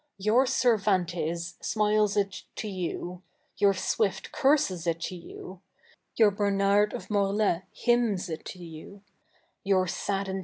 Your Cervantes smiles it to you ; your Swift curses iu to you ; your Bernard of Morlaix hymns it to you ; yoin'saddened CH.